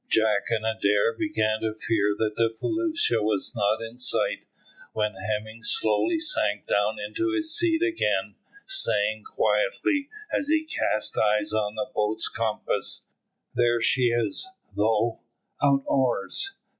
Jack and Adair began to fear that the felucca was not in sight, when Hemming slowly sank down into his seat again, saying quietly, as he cast eyes on the boat's compass, "There she is, though; out oars.